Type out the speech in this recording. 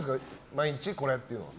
毎日これっていうのは。